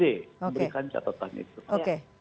memberikan catatan itu